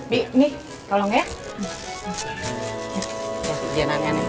bi ini tolong ya